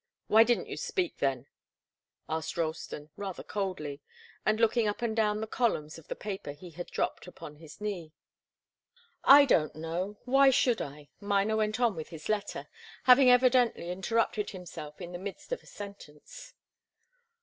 "Why didn't you speak, then?" asked Ralston, rather coldly, and looking up and down the columns of the paper he had dropped upon his knee. "I don't know. Why should I?" Miner went on with his letter, having evidently interrupted himself in the midst of a sentence.